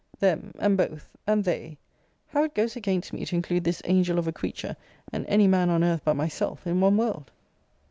THEM, and BOTH, and THEY! How it goes against me to include this angel of a creature, and any man on earth but myself, in one world!